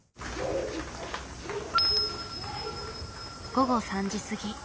午後３時過ぎ。